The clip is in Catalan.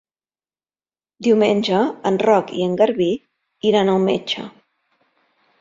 Diumenge en Roc i en Garbí iran al metge.